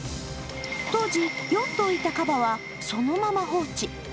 当時４頭いたカバはそのまま放置。